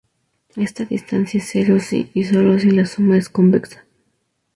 Esta distancia es cero si y solo si la suma es convexa.